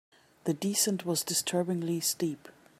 The descent was disturbingly steep.